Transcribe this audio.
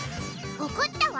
怒ったわ！